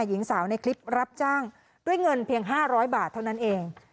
หญิงสาวในคลิปรับจ้างด้วยเงินเพียง๕๐๐บาทเท่านั้นเอง